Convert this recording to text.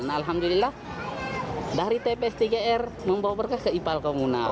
alhamdulillah dari tps tgr membawa berkah ke ipal komunal